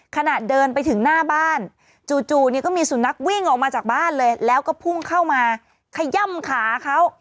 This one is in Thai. ขณะเดินไปถึงหน้าบ้านจู่เนี่ยก็มีสุนัขวิ่งออกมาจากบ้านเลยแล้วก็พุ่งเข้ามาขย่ำขาเขา